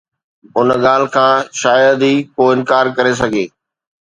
ان ڳالهه کان شايد ئي ڪو انڪار ڪري سگهي